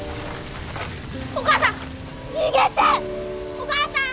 お母さん！